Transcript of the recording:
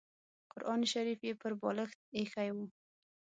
قران شریف یې پر بالښت اېښی و.